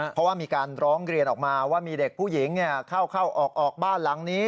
เพราะว่ามีการร้องเรียนออกมาว่ามีเด็กผู้หญิงเข้าออกบ้านหลังนี้